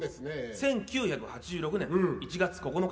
１９８６年１月９日。